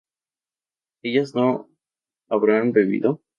ellas no habrán bebido